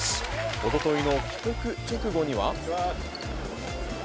おとといの帰国直後には。